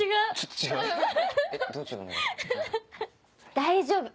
大丈夫！